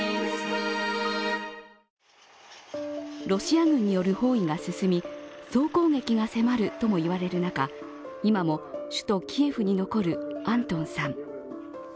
ロシア軍による包囲が進み総攻撃が迫るとも言われる中今も首都キエフに残るアントンさん。